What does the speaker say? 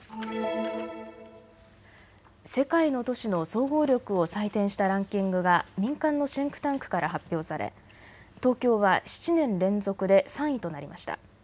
世界の都市の総合力を採点したランキングが民間のシンクタンクから発表され、東京は７年連続で３位となりました。